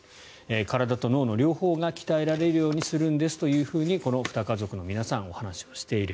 体と脳の両方が鍛えられるようにするんですとこの２家族の皆さんはお話しされている。